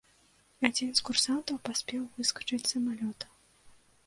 Адзін з курсантаў паспеў выскачыць з самалёта.